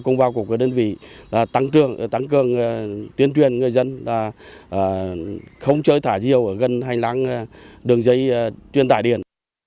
cùng vào cuộc đơn vị tăng cường tuyên truyền người dân không chơi thả diều gần hành lãng đường dây chuyển tải điện